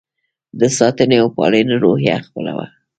د ساتنې او پالنې روحیه خپله وه.